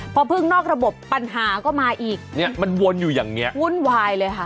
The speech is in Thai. พอพึ่งนอกระบบปัญหาก็มาอีกเนี่ยมันวนอยู่อย่างเงี้วุ่นวายเลยค่ะ